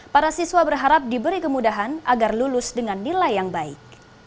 para siswa berharap diberi kemudahan agar lulus dengan nilai yang baik